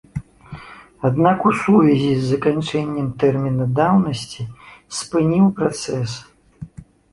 Аднак у сувязі з заканчэннем тэрміна даўнасці спыніў працэс.